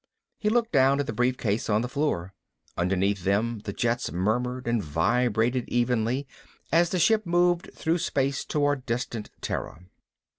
He looked down at the briefcase on the floor. Underneath them the jets murmured and vibrated evenly, as the ship moved through space toward distant Terra.